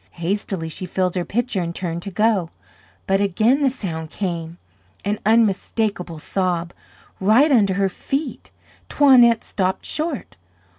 Hastily she filled her pitcher and turned to go. But again the sound came, an unmistakable sob, right under her feet. Toinette stopped short.